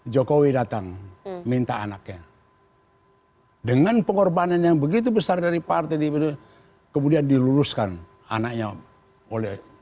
jokowi datang minta anaknya dengan pengorbanan yang begitu besar dari partai dpd kemudian diluluskan anaknya oleh